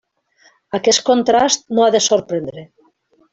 Aquest contrast no ha de sorprendre.